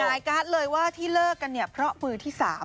สายการ์ดเลยว่าที่เลิกกันเนี่ยเพราะมือที่๓